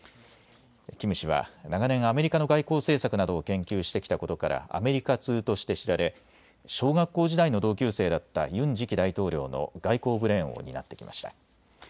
キム氏は長年アメリカの外交政策などを研究してきたことからアメリカ通として知られ小学校時代の同級生だったユン次期大統領の外交ブレーンを担ってきました。